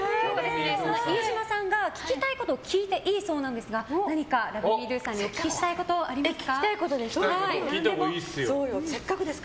飯島さんが聞きたいことを聞いていいそうなんですが何かＬｏｖｅＭｅＤｏさんにお聞きしたいことありますか？